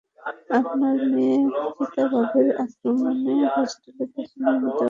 আপনার মেয়ে চিতাবাঘের আক্রমণে হোস্টেলের পিছনে মৃত অবস্থায় পড়ে আছে।